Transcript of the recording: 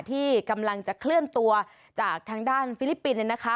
ที่กำลังจะเคลื่อนตัวจากทางด้านฟิลิปปินส์